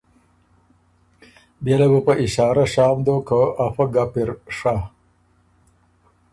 بيې له بو په اشارۀ شام دوک که ا فۀ ګپ اِر ڒۀ۔